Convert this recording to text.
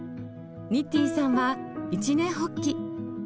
ニッティンさんは一念発起。